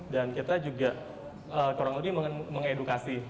dan kita juga kurang lebih mengedukasi